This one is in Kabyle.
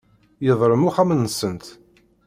Yedrem uxxam-nsent.